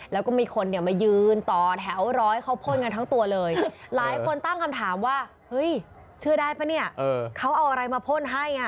แล้วก็มีคนเนี่ยมายืนต่อแถวรอให้เขาพ่นกันทั้งตัวเลยหลายคนตั้งคำถามว่าเฮ้ยเชื่อได้ป่ะเนี่ยเขาเอาอะไรมาพ่นให้อ่ะ